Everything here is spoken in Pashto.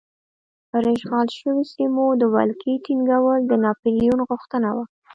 پر اشغال شویو سیمو د ولکې ټینګول د ناپلیون غوښتنه وه.